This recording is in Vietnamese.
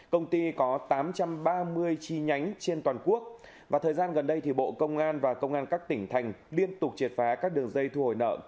công ty có tám trăm ba mươi chi nhánh trên toàn quốc và thời gian gần đây thì bộ công an và công an các tỉnh thành liên tục triệt phá các đường dây thu hồi nợ kiểu xã hội đen